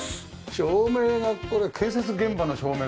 照明がこれ建設現場の照明だ。